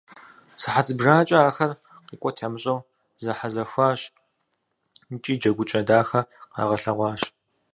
Сыхьэт зыбжанэкӏэ ахэр къикӏуэт ямыщӏэу зэхьэзэхуащ икӏи джэгукӏэ дахэ къагъэлъэгъуащ.